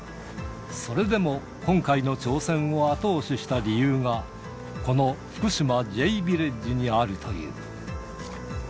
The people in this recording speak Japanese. それでも今回の挑戦を後押しした理由が、この福島・Ｊヴィレッジにあるという。